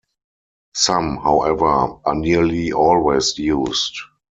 Some, however, are nearly always used.